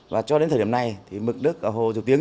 và cho đến thời điểm này mực đất hồ dầu tiếng